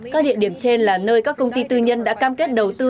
các địa điểm trên là nơi các công ty tư nhân đã cam kết đầu tư